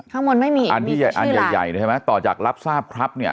ข้างบนไม่มีอันที่ใหญ่อันใหญ่ใหญ่ใช่ไหมต่อจากรับทราบครับเนี่ย